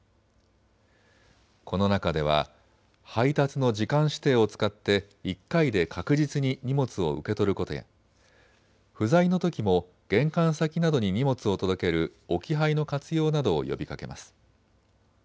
この中では配達の時間指定を使って１回で確実に荷物を受け取ることや不在のときも玄関先などに荷物を届ける置き配の活用などを呼びかけます。